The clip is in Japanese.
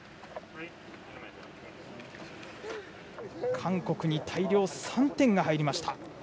韓国に大量３点が入りました。